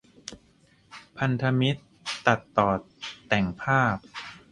พันธมิตร ตัดต่อแต่งภาพ ?